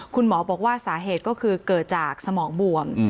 คุณหมอบอกว่าสาเหตุก็คือเกิดจากสมองบวม